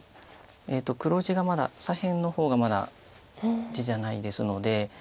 黒地が左辺の方がまだ地じゃないですので。